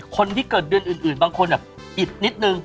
คนที่เกิดเดือนอื่นบางคนอิดนิดนึง